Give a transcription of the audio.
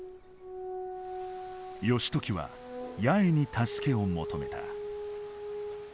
義時は八重に助けを求めた。